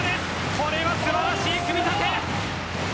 これは素晴らしい組み立て。